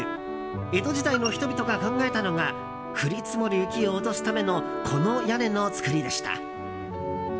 江戸時代の人々が考えたのが降り積もる雪を落とすためのこの屋根の造りでした。